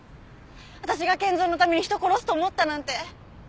私が健三のために人殺すと思ったなんて。